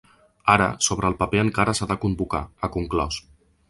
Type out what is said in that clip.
Ara, sobre el paper encara s’ha de convocar, ha conclòs.